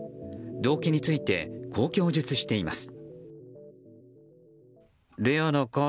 動機についてこう供述しています。